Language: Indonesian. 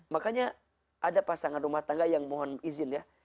makanya ada pasangan rumah tangga yang mohon izin ya